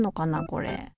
これ。